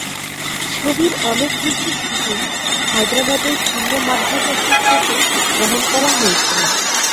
ছবির অনেক দৃশ্যের শুটিং হায়দ্রাবাদ এর শূন্য-মাধ্যাকর্ষণ সেটে গ্রহণ করা হয়েছিল।